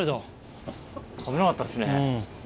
危なかったっすね。